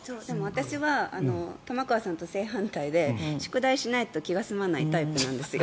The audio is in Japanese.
私は玉川さんと正反対で宿題しないと気が済まないタイプなんです。